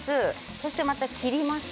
そして切ります。